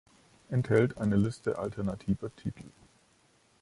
Enthält eine Liste alternativer Titel.